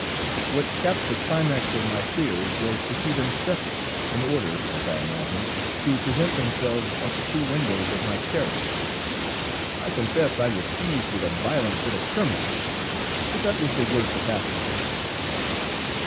What capped the climax of my fears was to see them separate, in order as I imagined to present themselves at the two windows of my carriage. I confess I was seized with a violent fit of trembling, but that was the worst that happened.